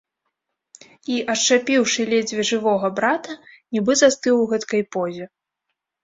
І, ашчапіўшы ледзьве жывога брата, нібы застыў у гэткай позе.